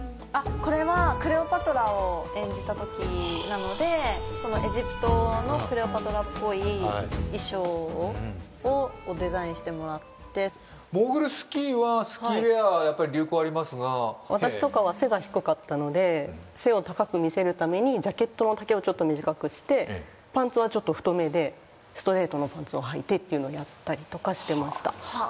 これはクレオパトラを演じたときなのでエジプトのクレオパトラっぽい衣装をデザインしてもらってモーグルスキーはスキーウェアはやっぱり流行ありますが私とかは背が低かったので背を高く見せるためにジャケットの丈をちょっと短くしてパンツはちょっと太めでストレートのパンツをはいてっていうのをやったりとかしてました